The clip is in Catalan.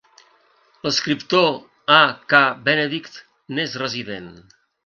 L'escriptor A. K. Benedict n'és resident.